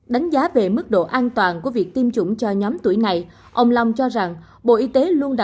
đánh giá về mức độ an toàn của việc tiêm chủng cho nhóm tuổi này ông long cho rằng bộ y tế luôn đặt vấn đề an toàn lên hàng đầu